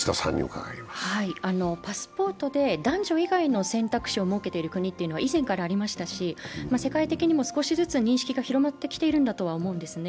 パスポートで男女以外の選択肢を設けている国は以前からありましたし、世界的にも少しずつ認識が広まってきているんだとは思うんですね。